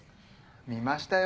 見ましたよ